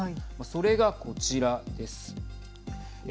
それが、こちらです。